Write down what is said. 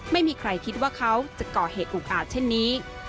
ไม่มีใครคิดว่าเขาจะก่อเหตุอุกอาจเช่นนี้